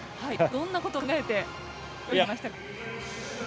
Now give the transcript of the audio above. どんなことを考えて泳いでいましたか。